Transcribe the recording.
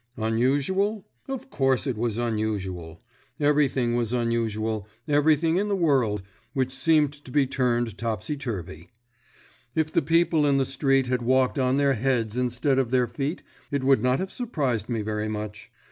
Unusual? Of course it was unusual. Everything was unusual, everything in the world, which seemed to be turned topsy turvy. If the people in the street had walked on their heads instead of their feet it would not have surprised me very much.